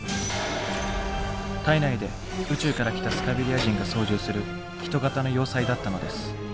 体内で宇宙から来たスカベリア人が操縦する人型の要塞だったのです。